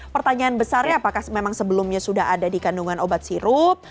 pertanyaan besarnya apakah memang sebelumnya sudah ada di kandungan obat sirup